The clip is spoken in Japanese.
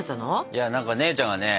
いや何か姉ちゃんがね